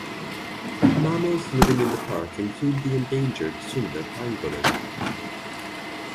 Mammals living in the park include the endangered Sunda pangolin.